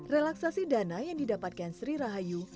relaksasi dana yang didapatkan sri rahayu